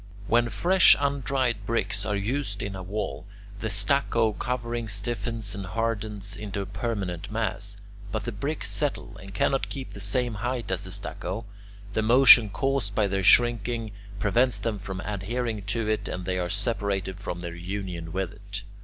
When fresh undried bricks are used in a wall, the stucco covering stiffens and hardens into a permanent mass, but the bricks settle and cannot keep the same height as the stucco; the motion caused by their shrinking prevents them from adhering to it, and they are separated from their union with it.